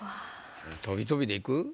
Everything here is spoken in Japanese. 飛び飛びでいく？